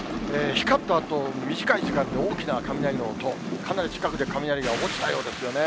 光ったあと、短い時間で大きな雷の音、かなり近くで雷が落ちたようですよね。